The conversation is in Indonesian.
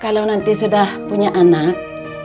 kalau nanti sudah punya anak